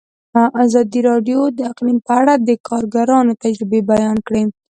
ازادي راډیو د اقلیم په اړه د کارګرانو تجربې بیان کړي.